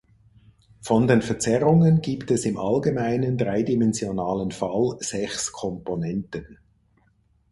Von den Verzerrungen gibt es im Allgemeinen dreidimensionalen Fall sechs Komponenten.